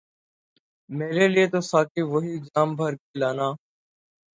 میرے لئے تو ساقی وہی جام بھر کے لانا